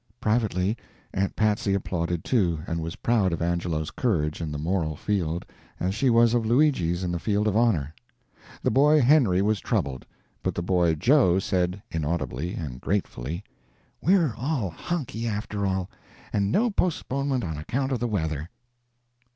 Privately, Aunt Patsy applauded too, and was proud of Angelo's courage in the moral field as she was of Luigi's in the field of honor. The boy Henry was troubled, but the boy Joe said, inaudibly, and gratefully, "We're all honky, after all; and no postponement on account of the weather."